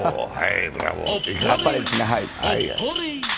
あっぱれですね。